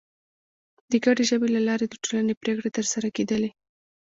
د ګډې ژبې له لارې د ټولنې پرېکړې تر سره کېدلې.